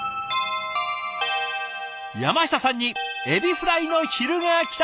山下さんにエビフライの昼がきた！